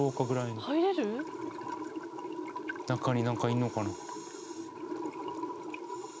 中に何かいるのかな？